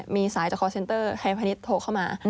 มีสายจอคอลเซ็นเตอร์ไทยพนิษฐ์โทรเข้ามา